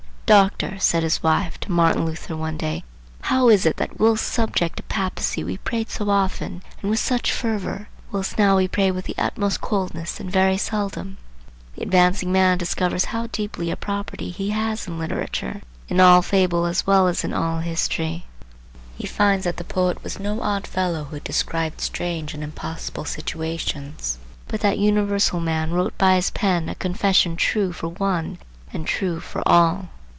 "Doctor," said his wife to Martin Luther, one day, "how is it that whilst subject to papacy we prayed so often and with such fervor, whilst now we pray with the utmost coldness and very seldom?" The advancing man discovers how deep a property he has in literature,—in all fable as well as in all history. He finds that the poet was no odd fellow who described strange and impossible situations, but that universal man wrote by his pen a confession true for one and true for all.